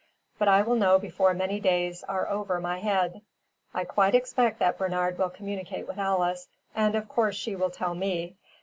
But I will know before many days are over my head. I quite expect that Bernard will communicate with Alice, and of course she will tell me.